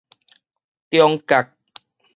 中角